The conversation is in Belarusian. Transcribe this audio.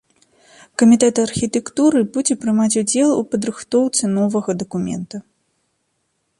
Камітэт архітэктуры будзе прымаць удзел у падрыхтоўцы новага дакумента.